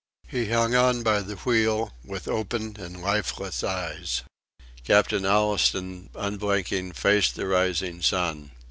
He hung on by the wheel, with open and lifeless eyes. Captain Allistoun, unblinking, faced the rising sun.